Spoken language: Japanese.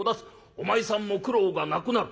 お前さんも苦労がなくなる。